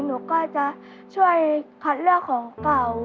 หนูก็จะช่วยคัดเลือกของเก่า